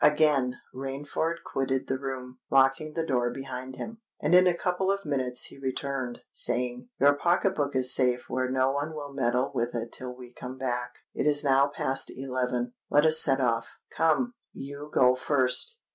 Again Rainford quitted the room, locking the door behind him; and in a couple of minutes he returned, saying, "Your pocket book is safe where no one will meddle with it till we come back. It is now past eleven: let us set off. Come—you go first!"